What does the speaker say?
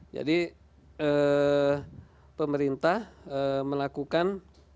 jadi pemerintah melakukan